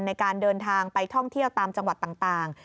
ในการเดินทางไปท่องเที่ยวตามจังหวัดต่าง